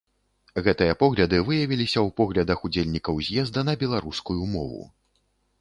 Гэтыя погляды выявіліся ў поглядах удзельнікаў з'езда на беларускую мову.